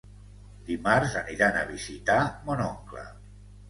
Dimarts aniran a visitar mon oncle.